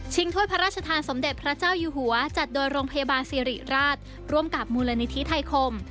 ถ้วยพระราชทานสมเด็จพระเจ้าอยู่หัวจัดโดยโรงพยาบาลสิริราชร่วมกับมูลนิธิไทยคม